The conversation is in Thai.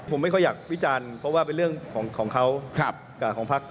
ผมไม่ค่อยอยากวิจารณ์เพราะว่าเป็นเรื่องของเขากับของพัก